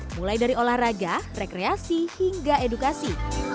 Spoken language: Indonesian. mulai dari olahraga rekreasi hingga edukasi